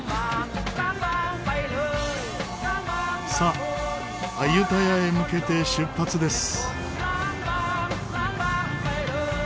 さあアユタヤへ向けて出発です。